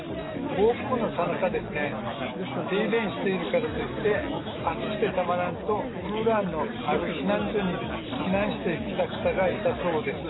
暴風雨のさなか、停電しているからといって、暑くてたまらんと、クーラーのある避難所に避難してきた方がいたそうです。